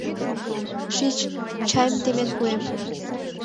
Шич, чайым темен пуэм.